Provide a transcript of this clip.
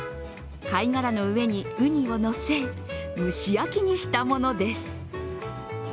貝殻の上にうにを乗せ蒸し焼きにしたものです。